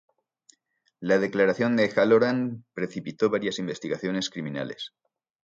La declaración de Halloran precipitó varias investigaciones criminales.